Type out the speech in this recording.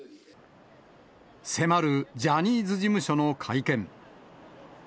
迫るジャニーズ事務所の会見。